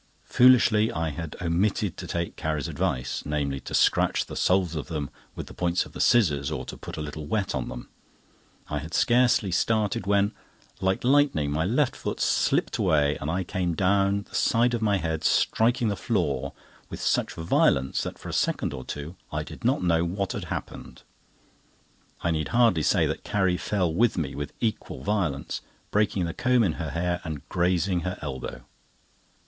Foolishly, I had omitted to take Carrie's advice; namely, to scratch the soles of them with the points of the scissors or to put a little wet on them. I had scarcely started when, like lightning, my left foot slipped away and I came down, the side of my head striking the floor with such violence that for a second or two I did not know what had happened. I needly hardly say that Carrie fell with me with equal violence, breaking the comb in her hair and grazing her elbow.